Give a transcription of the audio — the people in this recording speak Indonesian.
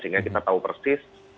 sehingga kita tahu persis